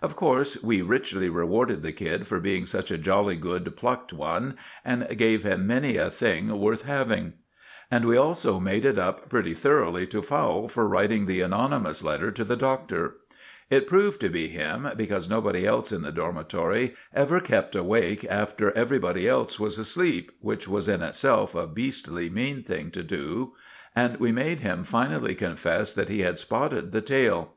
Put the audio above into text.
Of course we richly rewarded the kid for being such a jolly good plucked one, and gave him many a thing worth having; and we also made it up pretty thoroughly to Fowle for writing the anonymous letter to the Doctor. It proved to be him, because nobody else in the dormitory ever kept awake after everybody else was asleep, which was in itself a beastly mean thing to do; and we made him finally confess that he had spotted the tail.